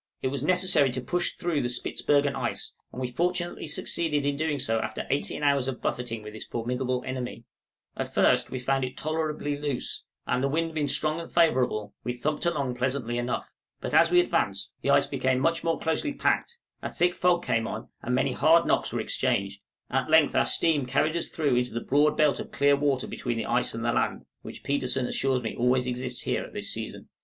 } It was necessary to push through the Spitzbergen ice, and we fortunately succeeded in doing so after eighteen hours of buffeting with this formidable enemy; at first we found it tolerably loose, and the wind being strong and favorable, we thumped along pleasantly enough; but as we advanced, the ice became much more closely packed, a thick fog came on, and many hard knocks were exchanged; at length our steam carried us through into the broad belt of clear water between the ice and land, which Petersen assures me always exists here at this season.